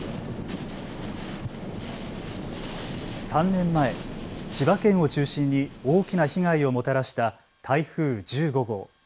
３年前、千葉県を中心に大きな被害をもたらした台風１５号。